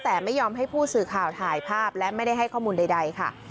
แต่ไม่ยอมให้ผู้สื่อข่าวถ่ายภาพและไม่ได้ให้ข้อมูลใดค่ะ